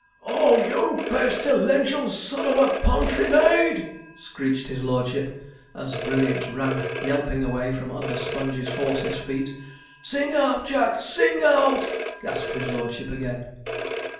'Oh, you pestilential son of a pontry maid!' screeched his lordship, as Brilliant ran yelping away from under Sponge's horse's feet. 'Sing out, Jack! sing out!' gasped his lordship again.